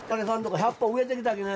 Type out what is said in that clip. １００本植えてきたきね。